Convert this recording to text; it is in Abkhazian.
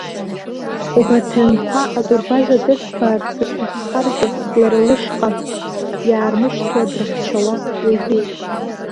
Убарҭ аҩнқәа, атурбаза дырҭбаарц рҭаххаргьы лара лышҟа иаармышьҭуа, дрыхьчауа илбеит.